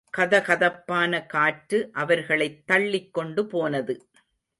கதகதப்பான காற்று அவர்களைத் தள்ளிக் கொண்டு போனது.